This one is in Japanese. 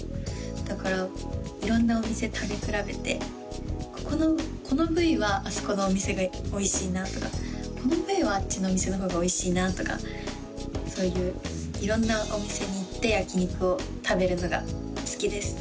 だから色んなお店食べ比べてこの部位はあそこのお店がおいしいなとかこの部位はあっちのお店の方がおいしいなとかそういう色んなお店に行って焼き肉を食べるのが好きです